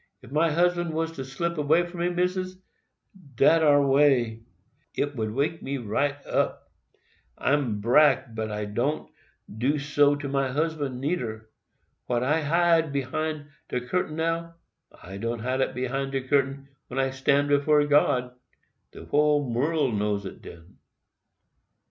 Ef my husband was to slip away from me, Missis, dat ar way, it ud wake me right up. I'm brack, but I wouldn't do so to my husband, neider. What I hide behind de curtain now, I can't hide it behind de curtain when I stand before God—de whole world know it den.